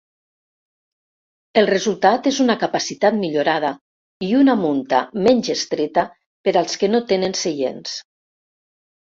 El resultat és una capacitat millorada i una munta menys estreta per als que no tenen seients.